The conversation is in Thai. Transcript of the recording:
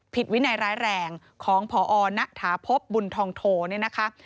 วินัยร้ายแรงของพอณฐาพบบุญทองโทเนี่ยนะคะ